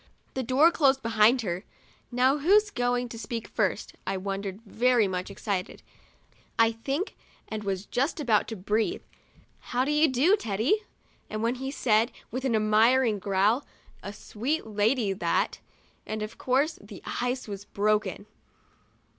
The door closed behind her. "Now, who's going to speak first?' 1 I wondered, very much excited, I think, and was just about to breathe, "How do you do, Teddy?" when he said, with an admiring growl, 'A sweet lady, that," and, of course, the ice was broken.